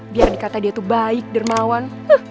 biar dikata dia itu baik dermawan